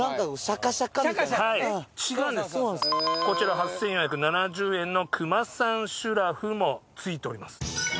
こちら８，４７０円のくまさんシュラフも付いております。